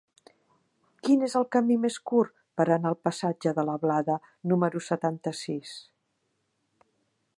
Quin és el camí més curt per anar al passatge de la Blada número setanta-sis?